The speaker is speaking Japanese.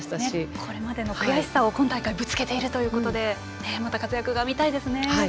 これまでの悔しさを今大会ぶつけているということでまた活躍が見たいですね。